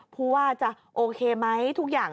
ผู้ว่าจะโอเคไหมทุกอย่าง